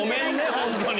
本当に。